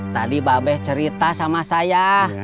tadi babes cerita sama saya